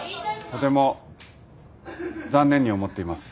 とても残念に思っています。